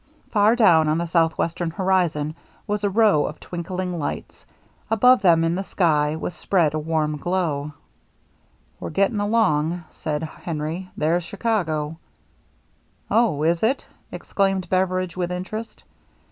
Far down on the southwestern horizon was a row of twinkling lights. Above them, in the sky, was spread a warm glow. "We're getting along," said Henry. "There's Chicago." 398 THE MERRY ANNE " Oh, is it ?" exclaimed Beveridge with interest.